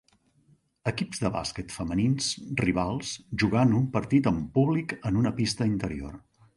Equips de bàsquet femenins rivals jugant un partit amb públic en una pista interior